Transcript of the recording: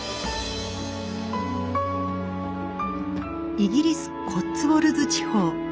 イギリス・コッツウォルズ地方。